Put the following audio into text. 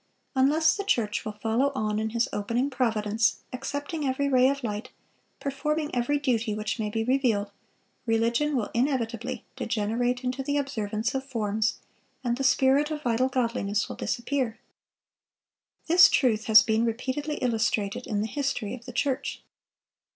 Unless the church will follow on in His opening providence, accepting every ray of light, performing every duty which may be revealed, religion will inevitably degenerate into the observance of forms, and the spirit of vital godliness will disappear. This truth has been repeatedly illustrated in the history of the church.